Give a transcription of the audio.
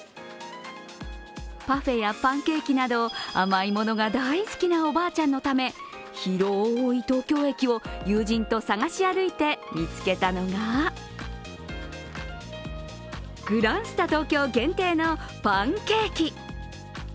パフェやパンケーキなど甘い物が大好きなおばあちゃんのため、広い東京駅を友人と探し歩いて見つけたのがグランスタ東京限定のパンケーキ。